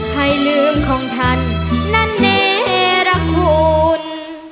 ให้ลืมของท่านนั้นเนรคุณ